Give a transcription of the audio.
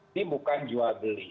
ini bukan jual beli